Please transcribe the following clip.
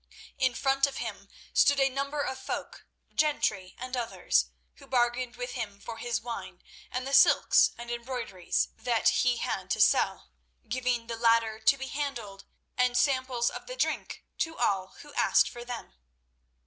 In front of him stood a number of folk, gentry and others, who bargained with him for his wine and the silks and embroideries that he had to sell, giving the latter to be handled and samples of the drink to all who asked for them.